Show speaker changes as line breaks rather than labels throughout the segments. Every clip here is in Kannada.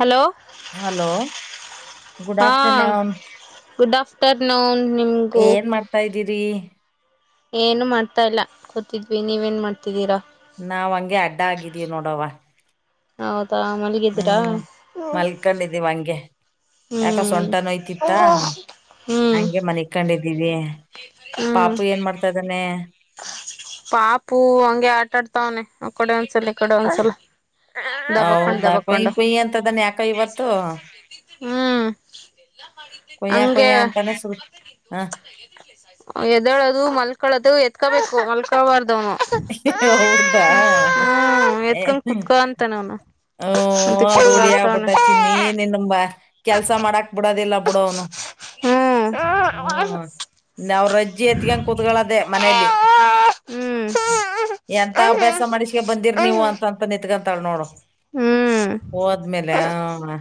ಹಲೋ
ಹಲೋ ಗುಡ್
ಹಾ
ಆಫ್ಟರ್ನೂನ್
ಗುಡ್ ಆಫ್ಟರ್ನೂನ್ ನಿಮ್ಗು.
ತಾ ಇದ್ದೀರಿ.
ಏನು ಮಾಡ್ತಾ ಇಲ್ಲ ಕುತತ್ತಿದ್ವಿ ನೀವೇನ್ ಮಾಡ್ತಿದ್ದೀರಾ.
ನಾವ್ ಹಂಗೆ ಅಡ್ಡ ಆಗಿದೀ ನೋಡವ್ವ.
ಹೌದಾ ಮಲಿ
ಹ್ಮು ಮಲ್ಕೊಂಡಿದ್ದೀವಿ ಹಂಗೆ. ಯಾಕ
ಹ್ಮ್
ಸೊಂಟ ನೋಯ್ತಿತ್ತ
ಹ್ಮ್
ಹಂಗೆ ಮನಿಕೊಂಡಿದ್ದೀವಿ.
ಹ್ಮ್
ಪಾಪು ಏನ್ ಮಾಡ್ತಾ ಇದ್ದಾನೆ.
ಪಾಪು ಹಂಗೆ ಆಟಾ ಆಡ್ತಾವನೆ ಆ ಕಡೆ ಒಂದ್ಸಲ ಈ ಕಡೆ ಒಂದ್ಸಲ. ದಬಕೊಂಡ್
ಹೌದಾ ಕೊಯ್
ದಬಕೊಂಡು.
ಕೊಯ್ ಅಂತದಾನೆ ಯಾಕೋ ಇವತ್ತು
ಹ್ಮು
ಕೊಯ್ಯ ಕೊಯ್ಯ ಅಂತಾನೆ ಸು ಹಾ.
ಎದ್ದೇಳೋದು ಮಲ್ಕಳೋದು ಎತ್ಕೋಬೇಕು ಮಲ್ [unintelligible]
ಹೌದಾ
ಹ್ಮು ಎತ್ಕೊಂಡ್ ಕುತ್ಕೊ ಅಂತಾನೆ ಅವನು.
ಹ್ಮು
ಅದಕ್ಕೆ
ರೂಢಿ ಆಗ್ಬಿಟ್ಟ ಚಿನ್ನಿ
ಆಡ್ತವನೆ
[unintelligible] ಕೆಲ್ಸ ಮಾಡಾಕ್ ಬಿಡೋದಿಲ್ಲ ಬಿಡ ಅವ್ನು.
ಹ್ಮ್
ಹ್ಮು ನಾವ್ರಜ್ಜಿ ಎತ್ಕೊಂಡ್ ಕೂತ್ಗಳದೇ ಮನೇಯಲ್ಲಿ. ಎಂತ ಅಭ್ಯಾಸ ಮಾಡಿಸಕೋ ಬಂದಿರಿ ನೀವು ಅಂತ ನಿತ್ಕಂತಾಳ ನೋಡು. ಹೋದ್ಮೇಲೆ ಅ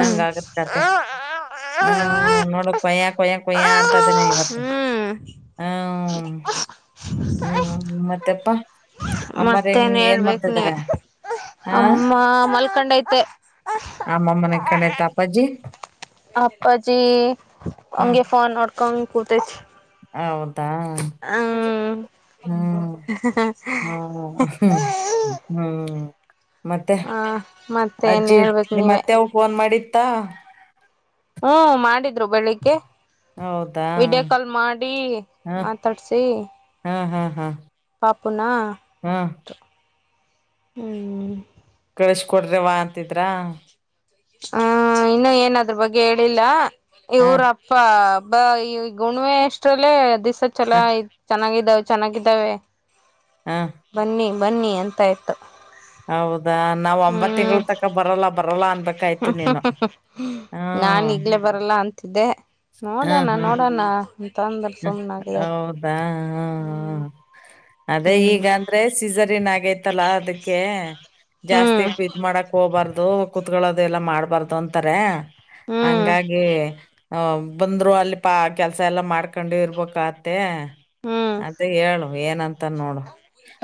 ಹಂಗ್ ಆಗುತ್ತ್ ಕಥೆ.
[unintelligible]
ಅ ನೋಡು ಕೊಯ್ಯ ಕೊಯ್ಯ ಕೊಯ್ಯ ಅಂತಾದನೆ ಇವತ್ತು.
[unintelligible]
ಹ್ಮು ಮತ್ತೆಪ್ಪಾ ಅಮ್ಮರ ಹೆಂಗ್
ಮತ್ತೇನ್
ಏನ್
ಹೇಳ್ಬೇಕು
ಮಾಡ್ತಾ
ನೀವೆ
ಇದ್ದಾರೆ. ಆ
ಅಮ್ಮ ಮಲ್ಕೊಂಡೈತೆ
ಆಮ್ಮ ಮನೆ [unintelligible]
ಅಪ್ಪಾಜಿ
ಹ್ಮ್
ಅಂಗೆ ಫೋನ್ ನೋಡ್ಕೊನ್ ಕೂತತ್ತಿ.
ಹೌದಾ ಹ ಹ್ಮ್ ಹ್ಮ ಹ್ಞ ಮತ್ತೆ
ಹ ಮತ್ತೇನ್
ಅಜ್ಜಿ
ಹೇಳ್ಬೇಕು
ನಿಮ್ಮ
ನೀವೇ
ಅತ್ತೆವು ಫೋನ್ ಮಾಡಿತ್ತಾ
ಹ್ಮ ಮಾಡಿದ್ದ ಬೆಳಿಗ್ಗೆ
ಹೌದಾ
ವಿಡಿಯೋ ಕಾಲ್ ಮಾಡಿ ಮಾತಾಡಿಸಿ
ಹಾ ಹಾ ಹಾ
ಪಾಪುಣ ಹ್ಞ
ಕಳಸಿ ಕೊಡ್ರಿವಾ ಅಂತಿದ್ರ
ಹ್ಮ ಇನ್ನು ಏನ ಅದ್ರ ಬಗ್ಗೆ ಹೇಳಿಲ್ಲ
ಹ
ಇವರಪ್ಪ ಬಾ ಈ ಹುಣ್ಣಿವೆ ಎಷ್ಟ್ರಲ್ಲೇ ದಿಸ್ಸ
ಹ
ಚಲೋ ಐತಿ ಚೆನ್ನಾಗಿದ್ದಾವೆ ಚೆನ್ನಾಗಿದ್ದಾವೆ
ಹ
ಬನ್ನಿ ಬನ್ನಿ ಅಂತಾಯಯ್ತು
ಹೌದಾ ನಾವ್ ಒಂಬತ್ ತಿಂಗಳು ತಕ ಬರಲ್ಲ ಬರಲ್ಲ ಅನ್ಬೇಕಾಯ್ತು ನೀನು
ನಾನ್
ಹ್ಮ
ಈಗ್ಲೇ ಬರಲ್ಲ ಅಂತಿದ್ದೆ ನೋಡಣ
ಹ್ಮ್
ನೋಡಣ ಅಂತ್ ಅಂದ್ರ
ಹ್ಮ್
ಸುಮ್ನಾಗಿದಾರ
ಹೌದಾ
ಹ್ಮ್
ಅದೇ
ಹ್ಮ್
ಈಗ ಅಂದ್ರೆ ಸೀಸರಿನ್ ಆಗೈತಲ್ಲ ಅದಕ್ಕೆ ಜಾಸ್ತಿ
ಹ್ಮ್
ಇದ್ ಮಾಡಾಕ್ ಹೋಗಬಾರ್ದು ಕುತ್ಕೊಳ್ಳೋದು ಎಲ್ಲಾ ಮಾಡ್ಬಾರ್ದು ಅಂತಾರೆ
ಹ್ಮ್
ಹಂಗಾಗಿ ಅ ಬಂದ್ರು ಅಲ್ಲಿಪಾ ಕೆಲ್ಸ ಎಲ್ಲಾ ಕೊಂಡು ಇರ್ಬೇಕತ್ತೆ
ಹ್ಮ್ ಹ್ಮ್
ಅಂತ ಹೇಳು ಏನಂತ ಅಂತ ನೋಡು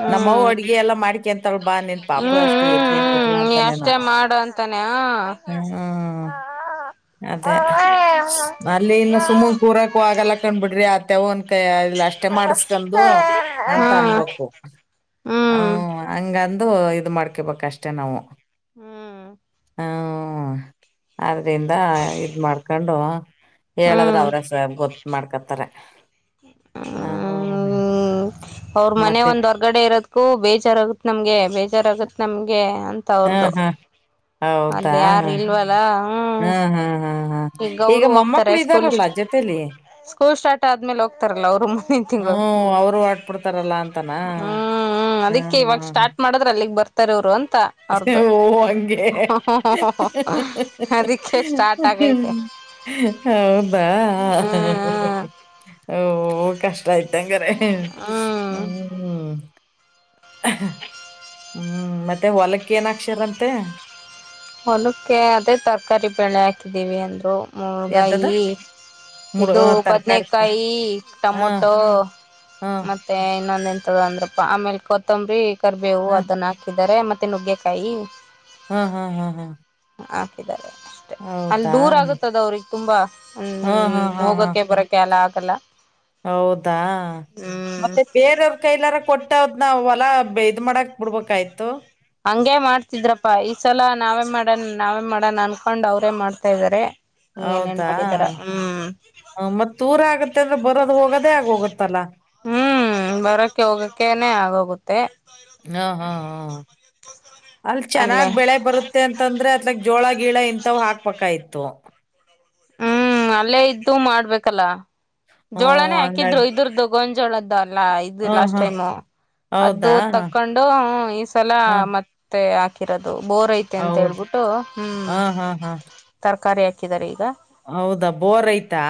ಹ್ಮ್
ನಮ್ಮವು
ಹ್ಮ್
ಅಡಗೆ ಎಲ್ಲಾ ಮಾಡ ಕೋಂ ತಳ್ ಬಾ ನೀನ್ ಪಾಪ ಅಷ್ಟೇ ಎತ್ತುಕೊಂಡು ಕುತ್ ಅಂತ
ಮತ್ತೆ ಮಾಡು ಅಂತಾನ
ಹ್ಮ್
ಆ
ಅದೇ ಅಲ್ಲಿ ಇನ್ನು ಸುಮ್ಮ ಊರಕ ಆಗೆಲ್ಲ ಕುಂಡ್ರಕಲ್ ಬಿಡ್ರಿ ಆ ಅತೆವನ್ ಕೈಲ್ಲೇ ಅಷ್ಟೇ ಮಾಡಸ್ಕಂದು ಅಂತ ಅನ್ಬೇಕು ಹ ಹಂಗಂದು ಇ ಮಾಡ್ಕೊಬೇಕ ಅಷ್ಟೇ ನಾವು
ಹ್ಮ್
ಹ್ಮ್ ಆದ್ರಿಂದ ಇದ ಮಾಡ್ಕೊಂಡು ಹೇಳದ್ರೆ ಅವ್ರಸ ಗೊತ್ತ ಕತ್ತಾರೆ ಹ್ಮ
ಅವ್ರ ಮನೆ ಒಂದ ಹೊರ್ಗಡೆ ಇರೋದಕ್ಕೂ ಬೇಜಾರಾಗತ್ ನಮ್ಗೆ ಬೇಜಾರಾಗತ್ ನಮ್ಗೆ ಅಂತ
ಹ್ಮ
ಅವ್ರ್ದು
ಹಾ ಹೌದಾ
ಲ್ಲ ಹ್ಮ್
ಹಾ ಹಾ ಹಾ
ಈಗ ಅವರು ಹೋಗ್ತಾರೆ
ಮೊಮ್ಮಕ್ಳು
ಸ್ಕೂಲ್
ಇದ್ದಾರಲ್ಲ
ಷ್ಟು
ಜೊತೆಲಿ
ಸ್ಕೂಲ್ ಸ್ಟಾರ್ಟ್ ಆದ್ಮೇಲೆ ಹೋಗ್ತಾರಲ್ಲ ಅವರು ಮುಂದಿನ ತಿಂಗಳು
ಹ್ಮ್ ಅವರು ಆಡ್ಬಿಡ್ತಾರಲ್ಲ ಅಂತನಾ
ಹ್ಮ್ ಹ್ಮ್ ಅದಿಕ್ಕೆ ಇವಾಗ
ಹ್ಮ್
ಸ್ಟಾರ್ಟ್ ಮಾಡದ್ರೆ ಅಲ್ಲಿಗ್ ಬರ್ತಾರ ಅವರು ಅಂತ ಅವ್ರ್ದು
ಓ ಅಂಗೆ
ಅದಕ್ಕೆ ಸ್ಟಾರ್ಟ್ ಆಗೈತೆ
ಹೌದಾ
ಹ್ಮ್
ಓ ಕಷ್ಟ ಆಯ್ತಂಗರ
ಹ್ಮ್
ಹ್ಮ್ ಹ್ಮ್ ಮತ್ತೆ ಹೊಲಕ್ಕ ಏನಕ್ಷರಂತೆ
ಹೋಲಕ್ಕೆ ಅದೇ ತರಕಾರಿ ಬೆೇಳೆ ಹಾಕಿದೀವಿ ಅಂದರು
ಎಂತದ
ಮುಳ್ಗಾಯಿ
ಮುಡ
ಇದು
ತರಕಾರಿ
ಬದನಕಾಯಿ
ಹಾ
ಟೊಮೊಟೊ
ಹಾ
ಮತ್ತ ಮತ್ತ ಇನ್ನೊಂದ ಎಂತದ ಅಂದ್ರಪ್ಪ ಆಮೇಲೆ ಕೊತ್ತಂಬರಿ ಕರಿಬೇವು
ಹಾ
ಅದನ್ನ ಹಾಕಿದ್ದಾರೆ ಮತ್ತೆ ನುಗ್ಗೆಕಾಯಿ
ಹ್ಮ್ ಹ್ಮ್ ಹ್ಮ್ ಹ್ಮ್
ಹಾಕಿದ್ದಾರೆ ಅಷ್ಟೆ ಅಲ್ಲಿ ದೂರ ಆಗುತ್ತದ ಅವ್ರಿಗೆ ತುಂಬಾ
ಹಾ ಹಾ
ಹ್ಮ
ಹಾ ಹಾ
ಹೋಗಕ್ಕೆ ಬರಕ್ಕೆ ಲ್ಲ ಆಗಲ್ಲ
ಹೌದಾ ಮತ್ತೆ
ಹ್ಮ್
ಬೇರವ್ರ ಕೈಲಾರ ಕೊಟ್ಟದ್ ಅದ ಹೊಲ ಇದ್ ಮಾಡಕ್ ಬಿಡ್ಬೇಕಯ್ತು
ಹಂಗೆ ಮಾಡ್ತಿದ್ರಪ್ಪಾ ಈ ಸಲ ನಾವೇ ಮಾಡಣ ನಾವೇ ಮಾಡಣ ಅನ್ಕೊಂಡ್ ಅವ್ರೇ ಮಾಡ್ತಾ ಇದ್ದಾರೆ ಏನೇನ್ ಮಾಡಿದಾರ ಹ್ಮ್..
ಹ ಮತ್ತ್ ದೂರ ಆಗತ್ತ ಅಂದ್ರ ಬರೋದ ಹೋಗೋದೇ ಆಗೋಗುತ್ತಲ್ಲ.
ಹ್ಮ್ ಬರಕ್ಕೆ ಹೋಗಕ್ಕನೆ ಆಗೋಗುತ್ತೆ.
ಹ್ಮ ಹಾ ಹ್ಮ್ ಅಲ್ಲಿ
ಅಲ್ಲೇ
ಚೆನ್ನಾಗ್ ಬೆಳೆ ಬರು ತತಂದ್ರೆ ಅತ್ಲಾಕ್ ಜೋಳ ಗೀಳ ಇಂಥವ್ ಹಾಕ್ಬೇಕಾಯಿತ್ತು.
ಹ್ಮ್ ಅಲ್ಲೇ ಇದ್ದು ಮಾಡ್ಬೇಕಲ.
ಹ್ಞೂ
ಜೋಳನೇ ಹಾಕಿದ್ರು
ಹಂಗಾಗಿ
ಇದರ್ದು ಗೋವಿಂಜೊಳದ. ಲ್ಲಾ ಇದು
ಹಾ
ಲಾಸ್ಟ್
ಹಾ
ಟೈಮ್ ಅದು
ಹೌದಾ ಹಾ
ತಕೊಂಡು ಈ ಸಲ ಮ ಮತ್ತೆ ಹಾಕಿರೋದು ಬೋರ್ ಐತೆ ಅಂತ
ಹೌದ್
ಹೇಬಿಟ್ಟು ಹ್ಮ್.
ಹಾ ಹಾ ಹಾ
ತರಕಾರಿ ಹಾಕಿದಾರೆ ಈಗ.
ಹೌದಾ ಬೋರ್ ಐಯ್ತಾ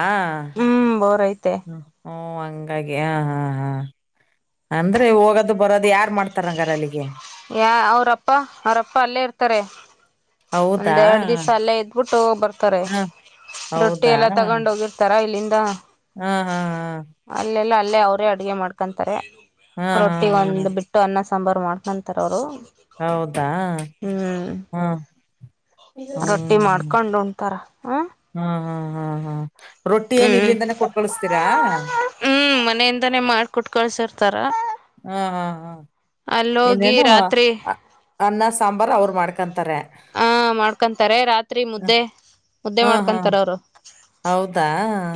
ಹ್ಮ್ ಬೋರ್ ಐತೆ
ಹ. ಹ್ಮು ಅಂಗಾಗಿ ಹಾ ಹಾ ಹಾ. ಅಂದ್ರೆ ಹೋಗೋದು ಬರೋದು ಯಾರ್ ಮಾಡ್ತಾರಂಗರ ಅಲ್ಲಿಗೆ.
ಯ ಅವ್ರಪ್ಪ ಅವ್ರಪ್ಪ ಅಲ್ಲೇ ಇರ್ತಾರೆ
ಹೌದಾ
ಒಂದೆರಡ್ ದಿವ್ಸ ಅಲ್ಲೇ ಇದ ಬಿಟ್ಟು ಹೋಗ್ ಬರ್ತಾರೆ
ಹಾ
ರೊಟ್ಟಿ
ಹೌದಾ
ಎಲ್ಲ ತಗೊಂಡೋಗಿರ್ತಾರ ಇಲ್ಲಿಂದ.
ಹ್ಮ ಹ್ಮ ಹ್ಮ
ಅಲ್ಲೆಲ್ಲ ಅಲ್ಲೇ ಅವರೇ ಅಡ್ಗೆ ಮಾಡ್ಕೊಂತಾರೆ
ಹಾ ಹಾ
ರೊಟ್ಟಿ
ಹಾ
ಒಂದು ಬಿಟ್ಟು ಅನ್ನ ಸಾಂಬಾರ ಮಾಡ್ಕೊ ಥರವರು.
ಹೌದಾ ಹ್ಮಾ.
ರೊಟ್ಟಿ ಮಾಡ್ಕೊಂಡ್ ಉಣತಾರ ಹ್ಮ್.
ಹಾ ಹಾ ಹಾ ಹಾ ರೊಟ್ಟಿ ಏನ್
ಹ್ಮ್
ಇಲ್ಲಿಂದಾನೇ ಕೊಟ್ಕಳ್ಸತೀರಾ.
ಹ್ಮ್ ಮನೆಯಿಂದಾನೇ ಮಾಡ್ಕಟ್ ಕಳ್ಸಿರ್ತಾರ.
ಹ ಹಾ ಹಾ
ಅಲ್ಲೋಗಿ
ಎನ್ನೇನು
ರಾತ್ರಿ
ಅನ್ನ ಸಾಂಬಾರು ಅವ್ರು ಮಾಡ್ಕೊಂತಾರೆ.
ಹಾಂ ಮಾಡ್ಕೊಂತಾರೆ ರಾತ್ರಿ ಮುದ್ದೆ ಮುದ್ದೆ
ಹಾ ಹಾ
ಮಾಡ್ಕೊತಾರೆ ಅವರು
ಹೌದಾ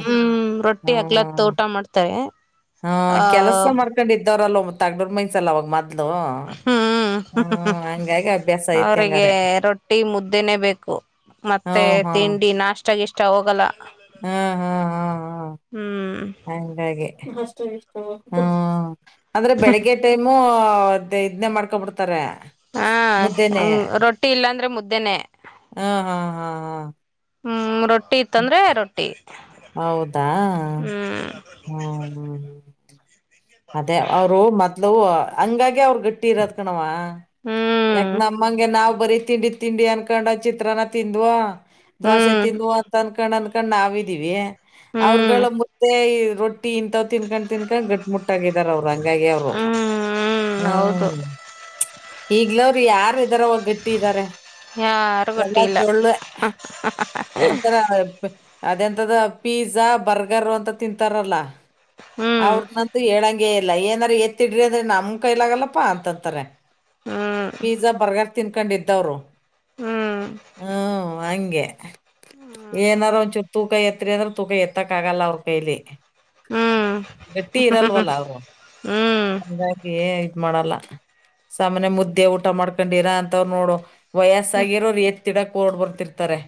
ಹ್ಮ್ ರೊಟ್ಟಿ ಹಗ್ಲತ್
ಹ್ಮ
ಊಟ ಮಾಡ್ತಾವಿ.
ಹ ಕೆಲ್ಸ ಮಾಡ್ಕೊಂಡಿದ್ದವ್ರಲ್ಲ ಒ ತಗಡರ್ ಮೈನ್ಸಲ್ಲ ಅವಾಗ ಮೊದ್ಲು.
ಹ್ಮ್ ಹ್ಮ ಹ್ಮ
ಹಂಗಾಗಿ ಅಭ್ಯಾಸ ಐತಿ
ಅವ್ರಿಗೆ
ಹಂಗಾರೆ
ರೊಟ್ಟಿ ಮುದ್ದೆನೆೇ ಬೇಕು. ಮತ್ತೆ
ಹ್ಮ್
ತಿಂಡಿ ನಾಷ್ಟ ಗೀಷ್ಟ ಹೋಗಲ್ಲ.
ಹ್ಮ ಹ ಹಾ ಹಾ
ಹ್ಮ್
ಹಂಗಾಗಿ ಹ್ಮ ಅಂದ್ರೆ ಬೆಳಿಗ್ಗೆ ಟೈಮು ಇದನ್ನೇ ಮಾಡ್ಕೊಬಿಡ್ತಾರೆ.
ಹಾ
ಮುದ್ದೆನೆ
ರೊಟ್ಟಿ ಇಲ್ಲಾಂದ್ರೆ ಮುದ್ದೆನೆೇ.
ಹ್ಮ ಹಾ ಹಾ ಹಾ
ಹ್ಮ್ ರೊಟ್ಟಿ ಇತ್ತಂದ್ರೆ ರೊಟ್ಟಿ
ಹೌದಾ
ಹ್ಮ್.
ಹ್ಮ್ ಹ್ಮ್ ಹ್ಮ ಅದೇ ಅವರು ಮೊದ್ಲು ಹಂಗಾಗೆ ಅವ್ರು ಗಟ್ಟಿ ಇರೋದ್ ಕಣವಾ.
ಹ್ಮ್
ಯಾಕ್ ನಮ್ಮಂಗೆ ನಾವ್ ಬರೀ ತಿಂಡಿ ತಿಂಡಿ ಅನ್ಕೊಂಡ ಚಿತ್ರನ ತಿಂದ್ವಾ. ದೋಸೆ
ಹ್ಮ್
ತಿನ್ನುವ ಅಂತ ಅನ್ಕೊಂಡ್ ಅನ್ಕೊಂಡ್ ನಾವಿದೀವಿ
ಹ್ಮ್
ಅವರುಗಳು ಮುದ್ದೆ ರೊ ಟಿ ಇಂತಾವ್ ತಿನ್ಕೊಂಡ್ ತಿನ್ಕೊಂಡ್ ಗಟ್ಟು ಮುಟ್ಟಾಗಿ ಇದಾರ ಅವರು ಹಂಗಾಗೆ ಅವರು
ಹ್ಮ್ ಹೌದು
ಹ್ಮ. ಈಗ್ಲವ್ರು ಯಾರಿದಾರವಾ ಗಟ್ಟಿ ಇದಾರೆ.
ಯಾರು
ಎಲ್ಲ
ಗಟ್ಟಿ ಇಲ್ಲ
ಜೊಳ್ಳೆ ಒಂತರ ಅದೆಂತದ ಪೀಜಾ ಬರ್ಗರು ಅಂತ ತಿಂತಾರಲ್ಲ
ಹ್ಮ್
ಅವ್ರ ಹೇಳಂಗೇ ಇಲ್ಲ ಏನಾದ್ರ ಎತ್ತಿಡ್ರಿ ಅಂದ್ರೆ ನಮ್ ಕೈಲಾಗಲ್ಲಪ್ಪಾ ಅಂತಂತಾರೆ.
ಹ್ಮ್
ಪೀಜಾ ಬರ್ಗರ್ ತಿನ್ಕೊಂಡಿದ್ದವ್ರು
ಹ್ಮ್
ಹು ಹಂಗೆ ಏನರ ಒಂದಚೂರು ತೂಕ ಎತ್ರಿ ಅಂದ್ರ ತೂಕ ಎತ್ತಕ್ ಆಗಲ್ಲ ಅವ್ರ ಕೈಲಿ
ಹ್ಮು
ಸುಟಿ ಇರಲ್ವಲ್ಲ ಅವರು [inaudible] ಹಾಗಾಗಿ ಇದ ಮಾಡಲ್ಲ ಸಾಮನ್ಯ ಮುದ್ದೆ ಊಟ ಮಾಡ್ಕೊಂಡಿರ ಅಂತವ್ರು ನೋಡು ವಯಸ್ಸಾಗಿರೋರ ಎತ್ತಿಡಕ್ ಓಡ್ ಬರ್ತಿರ್ತಾರೆ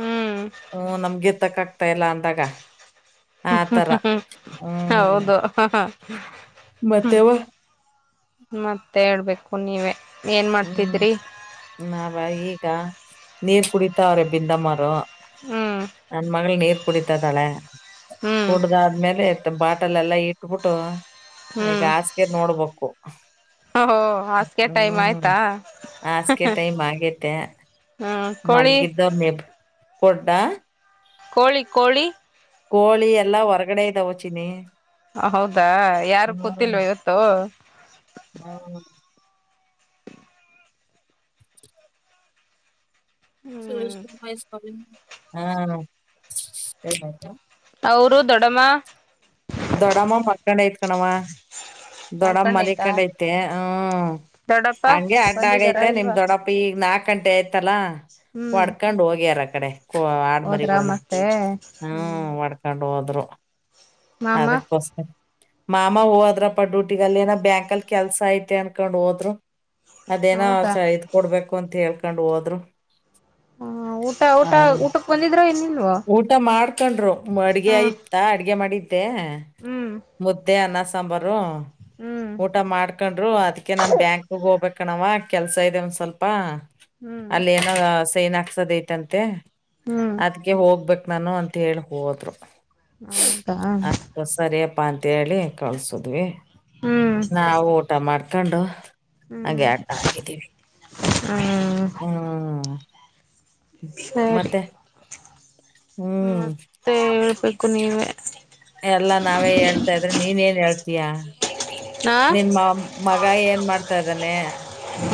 ಹ್ಮ್
ಹ್ಮ ನಮ್ಗೆ ಏತ್ತಕ್ಕ ಆಗ್ತಾ ಇಲ್ಲ ಅಂದಾಗ
ಹ್ಮ
ಆತರ
ಹ್ಮ್ ಹ್ಮ್
ಹ್ಮ್
ಹೌದು ಹಾ ಹಾ [inaudible] ಹ
ಮತ್ತೆವ
ಮತ್ತೆ ಹೇಳ್ಬೇಕು ನೀವೇ. ಏನ್
ಹ್ಮ್
ಮಾಡ್ತಿದ್ರಿ
ನಾವಾ ಈಗ ನೀರ್ ಕುಡಿತವ್ರೆ ಬಿಂದಮ್ಮರು
ಹ್ಮ್
ನನ್ನ ಮಗಳ ನೀರ ಕುಡಿತಾಇದಾಳೆ
ಹ್ಮ್
ಕುಡದಾದ್ಮೇಲೆ ಇತ್ತ್ ಬಾಟಲ ಎಲ್ಲ ಇಟ್ ಬುಟ್ಟು ಈಗ ಹಾಸಗೆ ನೋಡ್ಬೇಕು
ಓ ಓ ಹಾಸಗೆ ಟೈಮ್ ಆಯ್ತ್
[inaudible] ಹಾಸಗೆ ಟೈಮ್ ಆಗಿತ್ತ್ಯಾ
ಹ್ಮ್
[inaudible]
ಕೋಳಿ
ಮಲಗಿ [unintelligible] ಬುಡ್ಡ
ಕೋಳಿ ಕೋಳಿ
ಕೋಳಿ ಎಲ್ಲಾ ಹೊರಗಡೆ ಇದಾವ ಚಿನಿ
ಹೌದಾ ಯಾರು
ಹ್ಮ್
ಕೂತಿಲ್ವ ಇವತ್ತು.
[inaudible]
ಹ್ಮ್
[unintelligible]
ಅವರು ದೊಡಮ್ಮ
ದೊಡಮ್ಮ ಮಕ್ಕೊಂಡೆತ ಕಣ್ಣವ್ವಾ ದೊಡ್ಡಮ್
ಮಲ್ಕೊಂಡೈತಾ
ಮಲಕೊಂಡೈತೆ ಹ್ಮ್
ದೊಡ್ಡಪ್ಪ
ಹಂಗೆ ಅಡ್ಡ
ಬಂದಿದಾರ
ಆಗೈತೆ ನಿಮ್
ಇಲ್ವಾ
ದೊಡ್ಡ ಈಗ ನಾಕ ಗಂಟೆ ಆಯ್ತಲ್ಲ
ಹ್ಮ್
ಒಡ್ಕೊಂಡ್ ಹೋಗ್ಯಾರ ಅಕಡೆ ಹು
ಹೋದ್ರಾ
ಆಡ್ಮರಿಗಳನ
ಮತ್ತೆ
ಹ್ಮು ವಡ್ಕೊಂಡು ಹೋದ್ರು
ಮಾಮ
ಅದಕ್ಕೋಸ್ಕರ ಮಾಮ ಹೋದ್ರಪ್ಪ ಡ್ಯೂಟಿಗ ಅಲ್ಲಿ ಏನ ಬ್ಯಾಂಕಲ್ಲಿ ಕೆಲ್ಸ ಐತೆ ಅನ್ಕೊಂಡ್ ಹೋದ್ರು [inaudible] [inaudible] ಅದೇನ
ಹೌದಾ
ಸಯ ಇದ್ ಕೊಡ್ಬೇಕು ಅಂತ ಹೇಳ್ಕೊಂಡ ಹೋದ್ರು.
ಹ ಊಟ
ಆ
ಊಟ ಊಟಕ್ಕ ಬಂದಿದ್ರ ಏನಿಲ್ವಾ
ಊಟ ಮಾಡ್ಕೊಂಡ್ರು ಅಡ್ಗೆ ಇತ್ತಾ ಅಡ್ಗೆ ಮಾಡಿದ್ದೆ
ಹ್ಮ್
ಮುದ್ದೆ ಅನ್ನ ಸಾ ಅನ್ನ ಸಾಂಬಾರು
ಹ್ಮ್ ಹ್ಮ್
ಊಟ ಮಾಡ್ಕೊಂಡ್ರು ಅದ್ಕೆ ನಾನ್ ಬ್ಯಾಂಕ್ ಹೋಗಬೆ ಕಣವ ಕೆಲ್ಸ ಇದೆ ಒಂದ್ ಸ್ವಲ್ಪ
ಹ್ಮ್
ಅಲ್ಲಿ ಏನೋ ಸೈನ್ ಹಾಕ್ಸದ ಐತಂತೆ
ಹ್ಮ್
[inaudible] ಅದಕ್ಕೆ ಹೋಗ್ಬೇಕ್ ನಾನು ಅಂತ ಹೇಳಿ ಹೋದ್ರು
ಹೌದಾ
ಆಯ್ತು ಸರಿಯಪ್ಪಾ ಅಂತೇಳಿ ಕಳಸದ್ವಿ
ಹ್ಮ್
ನಾವು ಊಟ ಮಾಡ್ಕೊಂಡು ಹಂಗೆ ಅಡ್ಡ ಆಗಿದ್ದೀವಿ.
ಹು
ಹ್ಮ್ [inaudible] ಮತ್ತೆ
ಹು
ಹ್ಮ್
ಮತ್ತೆ ಹೇಳ್ಬೇಕು ನೀವೆ.
ಎಲ್ಲಾ ನಾವೇ ಹೇಳ್ತಾ ಇದ್ರೆ ನೀನ್ ಏನ್ ಹೇಳ್ತೀಯಾ
ನಾ
ನಿನ್ ಮಾಮ ಮಗ ಏನ್ ಮಾಡ್ತಾ ಇದ್ದಾನೆ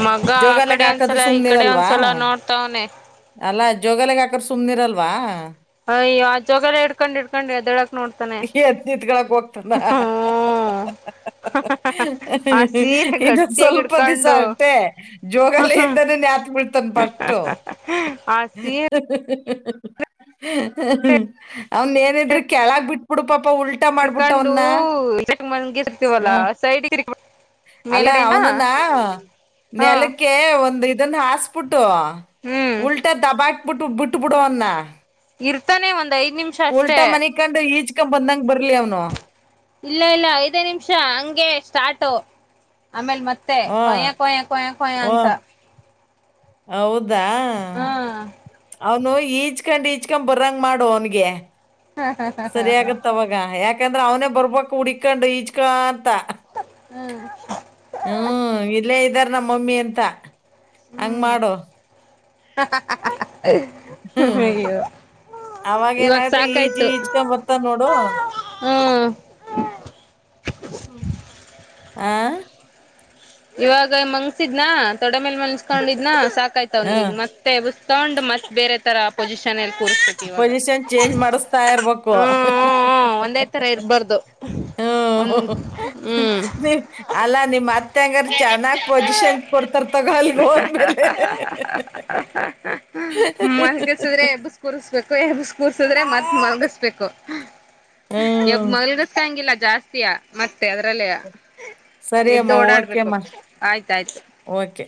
ಮಗ ಆ
ಜೋಗಾಲಿಗ್
ಕಡೆ
ಹಾಕದ್ರೆ
ಒಂದ್ಸಲ ಈ ಕಡೆ ಒಂದ್ಸಲ ನೋಡ್ತವನೆ.
ಅಲ್ಲಾ ಜೋಗಲ್ಯಾಗ ಹಾಕಿದ್ರೆ ಸುಮ್ನಿರಲ್ವಾ?
ಅಯ್ಯೋ ಆ ಜೋಗಲ್ಯ ಇಡ್ಕೊಂಡ ಇಡ್ಕೊಂಡ ಎದಳಕ್ ನೋಡ್ತಾನೆ.
[inaudible] [inaudible]
ಹ್ಮ್ ಆ ಸೀರೆ
ಇನ್ನೊಂದು
ಗಟ್ಟಿಯಾಗಿ
ಸ್ವಲ್ಪ ದಿವಸ
ಇಡ್ಕೊಂಡು
ಅಟೆ ಜೋಗಾಲಿ ಇಂದೆನೆ ನ್ಯಾತ್ ಬಿಡ್ತನ್ ಫಸ್ಟು.
ಆ ಸೀರೆ
[inaudible] ಅವನ ಏನಿದ್ರೂ ಕೆಳಗ್ ಬಿಟ್ಬಿಡು ಪಾಪ ಉಲ್ಟ.
ಕರ್ಕೊಂಡು ಸೈಡಗೆ ಮಲಗಿಸಿರ್ತಿವಲ
ಹ್ಮ್
ಸೈಡ.
ಅಲ್ಲ ಅವನನ್ನ
ಹಾ
ನೆಲಕ್ಕೆ ಒಂದ್ ಇದನ್ನ ಹಾಸಿ ಫುಡು
ಹ್ಮ್
ಉಲ್ಟ ದಬಾಕ್ಬಿಟ್ಟು ಬಿಟ್ಟ ಬಿಡು ಅವ್ನ್.
ಇರ್ತಾನೆ ಒಂದ ಐದ ನಿಮಿಷ. ಅಷ್ಟೇ
ಉಲ್ಟಾ ಮನಿಕಂಡು ಈಜಕೊಂಡ ಬಂದಂಗ ಬರ್ಲಿ ಅವ್ನು.
ಇಲ್ಲ ಇಲ್ಲ ಐದೇ ನಿಮಿಷ ಹಂಗೆ ಸ್ಟಾರ್ಟು ಆಮೇಲ್ ಮತ್ತೆ.
ಹ್ಮ್
ಮತ್ತೆ ಕೊಯ ಕೊಯ್ಯ ಕೊಯ್ಯೋ ಅಂತ
ಹ್ಮ್ ಹೌದಾ
ಹಾ
ಅವನು ಈಜ್ ಇಚ್ಕೊಂಡ್ ಇಚ್ಕೊಂಡ್ ಬರಂಗ್ ಮಾಡು ಅವ್ನಿಗೆ ಸರಿ ಆಗತ್ತ ಅವಾಗ ಹ ಯಾಕಂದ್ರೆ ಅವನೇ ಬರ್ಬಕ್ ಹುಡ್ಕಂಡು ಈಚ್ಕೊಂತ.
ಹ್ಮ್
ಹ್ಮ್ ಇಲ್ಲೇ ಇದ್ದರೆ ನಮ್ ಮಮ್ಮಿ ಅಂತ ಹಾಂಗ್ ಮಾಡು.
[inaudible]
ಹ್ಮ್
ಅಯ್ಯೋ
ಅವಾಗ
ಇವಾಗ
ಏನಾಯ್ತು ಈಜಿ
ಸಾಕಾಯ್ತು
ಈಚ್ಕೊಂಡ್ ಬತ್ತ ನೋಡು.
ಹ್ಮ್
ಆ
ಇವಾಗ ಮಂಗಸಿದ್ನಾ ತೊಡೆ ಮೇಲ್ ಮನ್ಸ್ಕೊಂಡಿದ್ನಾ ಸಾಕಾಯ್ತ
ಹ
ಅವ್ನಿಗ್ ಮಾತ್. ಮತ್ತೆ ಎಬ್ಬಿಕೊಂಡು ಮತ್ ಬೇರೆತರ ಪೊಸಿಷನ್ ಅಲ್ಲಿ ಕೂರಿಸ ಬೇಕ ಇವಾಗ
ಪೊಸಿಷನ್
ಹ
ಚೇಂಜ್ ಮಾಡಿಸ್ತಾ ಇರ್ಬೇಕು
ಹೂ ಹೂ. ಹಾ ಒಂದೇತರ ಇರ್ಬಾರದು.
[inaudible] ಅಲ್ಲ ನೀ ಅತ್ತೆ ಅಂಗರೇ ಚೆನ್ನಾಗ್ ಪೊಜಿಷನ್ ಕೊಡ್ತಾರ ತಕೊ ಅಲ್ಲಿಗೆ ಹೋದ್ಮೇಲೆ. [inaudible]
ಕುರಿಸ್ಬೇಕು ಕೂರ್ಸಿದ್ರೆ ಮತ್ತ್ ಮಲಗಿಸ್ಬೇಕು ಎಬ್
ಹ್ಮ್
ಮಲ್ಗಸಂಗಿಲ್ಲ ಜಾಸ್ತಿಯ ಮತ್ತೆ ಅದ್ರಲ್ಲೇ
ಸರಿ
ಎದ್ದು
ಅಮ್ಮ ಓಕೆ
ಓಡಾಡ್ಬೇಕು.
ಅಮ್ಮ
ಆಯ್ತಾಯ್ತ.
ಓಕೆ